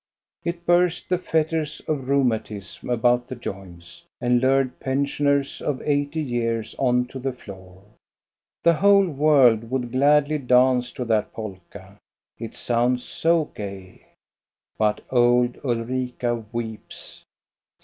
It burst the fetters of rheumatism about the joints, and lured pensioners of eighty years on to the floor. The whole world would gladly dance to that polka, it sounds so gay — but old Ulrika weeps.